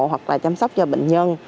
hoặc là chăm sóc cho bệnh nhân